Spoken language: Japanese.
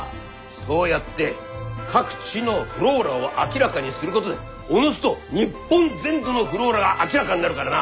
そうやって各地のｆｌｏｒａを明らかにすることでおのずと日本全土のｆｌｏｒａが明らかになるからな！